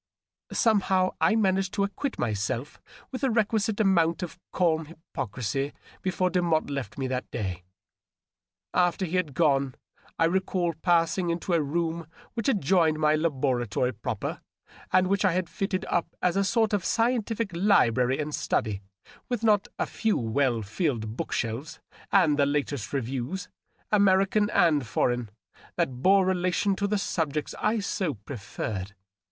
.." Somehow I managed to acquit myself with the requisite amount of calm hypocrisy before Demotte left me that day. After he had gone I recall passing into a room which adjoined my laboratory proper, and which I had fitted up as a sort of scientific library and study, with not a few well filled book shelves and the latest reviews, American and foreign, that bore relation to the subjects I so preferred.